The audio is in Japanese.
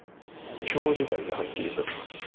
教授会ではっきりさせます。